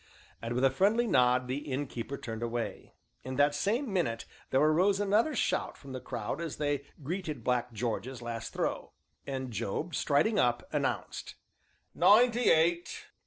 And, with a friendly nod, the Innkeeper turned away. In that same minute there arose another shout from the crowd as they greeted Black George's last throw, and Job, striding up, announced: "Ninety eight!"